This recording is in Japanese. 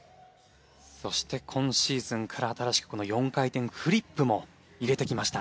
そして今シーズンから新しくこの４回転フリップも入れてきました。